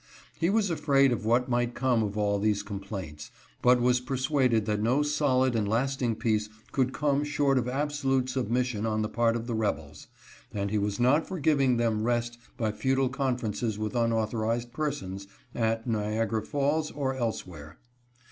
He was afraid of what might come of all these complaints, but was persuaded that no solid and lasting peace could come short of absolute submission on the part of the rebels, and he was not for giving them rest by futile conferences with unauthorized persons, at Niagara Falls, or elsewhere.